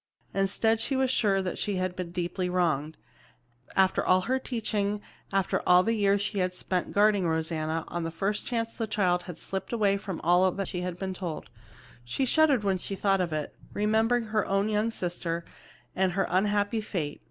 Instead, she was sure that she had been very deeply wronged. After all her teaching, after all the years she had spent guarding Rosanna, on the first chance the child had slipped away from all she had been told. She shuddered when she thought of it, remembering her own young sister and her unhappy fate.